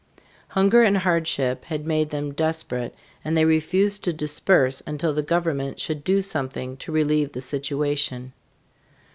Hunger and hardship had made them desperate, and they refused to disperse until the government should do something to relieve the situation.